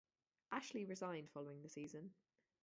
Ashley resigned following the season.